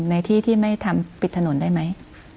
ในที่ที่ไม่ทำปิดถนนได้ไหม